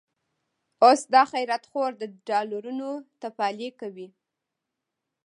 اوس دا خيرات خور، د ډالرونو تفالې کوي